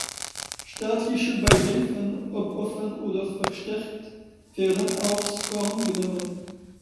Staatliche Beihilfen, ob offen oder versteckt, werden aufs Korn genommen.